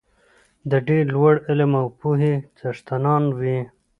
د ډېر لوړ علم او پوهې څښتنان وي.